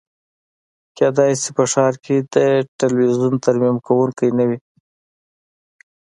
کیدای شي په ښار کې د تلویزیون ترمیم کونکی نه وي